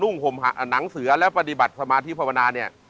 หนังเสือและปฏิบัติสมาธิภาวนาเนี่ย